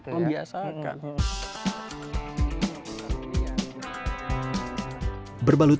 membiasakan untuk hal itu ya